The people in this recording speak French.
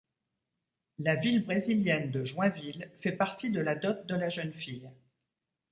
La ville brésilienne de Joinville fait partie de la dot de la jeune fille.